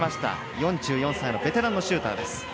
４４歳のベテランのシューター。